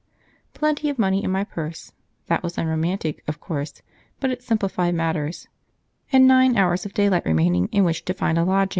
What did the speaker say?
Plenty of money in my purse that was unromantic, of course, but it simplified matters and nine hours of daylight remaining in which to find a lodging.